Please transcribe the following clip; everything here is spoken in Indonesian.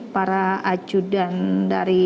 para ajudan dari